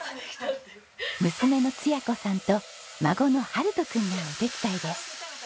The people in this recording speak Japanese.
娘の彩子さんと孫の晴登くんがお手伝いです。